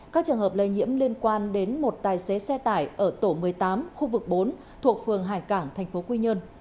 các trường hợp lây nhiễm liên quan đến một tài xế xe tải ở tổ một mươi tám khu vực bốn thuộc phường hải cảng tp quy nhơn